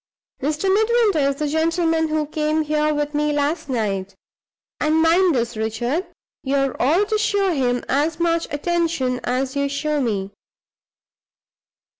Mr. Midwinter is the gentleman who came here with me last night; and mind this, Richard, you're all to show him as much attention as you show me.